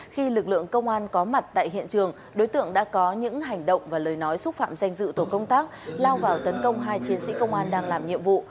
khi lực lượng công an có mặt tại hiện trường đối tượng đã có những hành động và lời nói xúc phạm danh dự tổ công tác lao vào tấn công hai chiến sĩ công an đang làm nhiệm vụ